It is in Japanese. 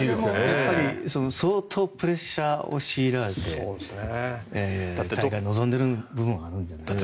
相当プレッシャーを強いられて大会に望んでいる部分はあるんじゃないですかね。